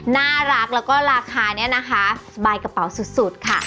น่ารักแล้วก็ราคาสบายกระเป๋าสุดค่ะ